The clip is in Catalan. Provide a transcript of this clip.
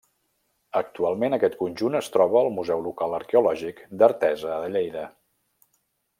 Actualment aquest conjunt es troba al Museu Local Arqueològic d'Artesa de Lleida.